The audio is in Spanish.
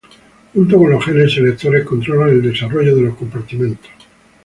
Junto con los genes selectores controlan el desarrollo de los compartimentos.